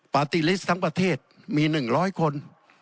ปาร์ตี้ลิสต์ทั้งประเทศมี๑๐๐คน